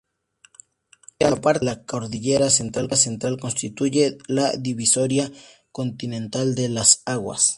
La parte alta de la Cordillera Central constituye la divisoria continental de las aguas.